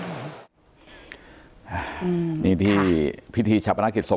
เฮ้ยจริงที่พิธีชับทะกรีดสบ